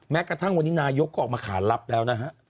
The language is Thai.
แม้กระทั่งวันนี้นายกก็ออกมาขารับแล้วนะฮะ